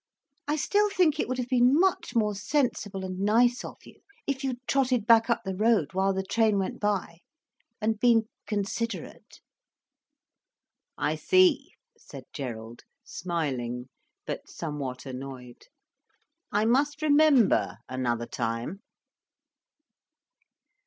I still think it would have been much more sensible and nice of you if you'd trotted back up the road while the train went by, and been considerate." "I see," said Gerald, smiling, but somewhat annoyed. "I must remember another time."